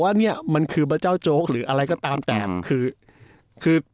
ว่าเนี่ยมันคือพระเจ้าโจ๊กหรืออะไรก็ตามแต่คือคือ